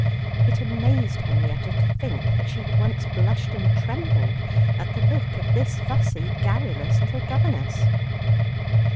It amazed Henrietta to think that she had once blushed and trembled at the look of this fussy, garrulous little governess.